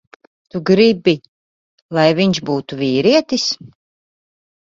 Tu gribi, lai viņš būtu vīrietis.